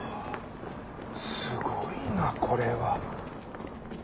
すごいなこれは。